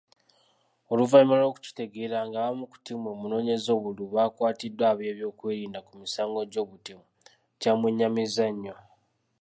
Oluvannyuma lw'okukitegeera ng'abamu ku ttiimu emunoonyeza obululu, baakwatiddwa ab'ebyokwerinda ku misango gy'obutemu, kyamwenyamizza nyo.